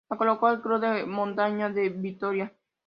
La colocó el club de montaña de Vitoria.